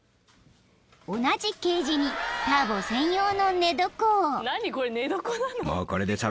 ［同じケージにターボ専用の寝床を］